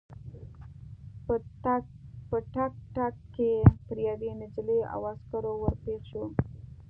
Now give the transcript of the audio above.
په تګ تګ کې پر یوې نجلۍ او عسکر ور پېښ شوو.